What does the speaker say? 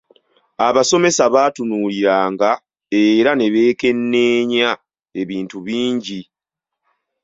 Abasomesa baatunuuliranga era ne beekenneenya ebintu bingi.